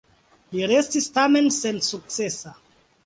Li restis tamen sensukcesa.